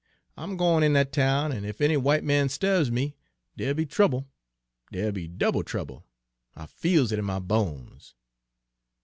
I'm gwine in dat town, an' ef any w'ite man 'sturbs me, dere'll be trouble, dere'll be double trouble, I feels it in my bones!"